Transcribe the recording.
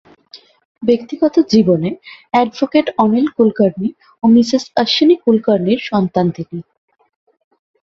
ব্যক্তিগত জীবনে অ্যাডভোকেট অনিল কুলকার্নি ও মিসেস অশ্বিনী কুলকার্নি’র সন্তান তিনি।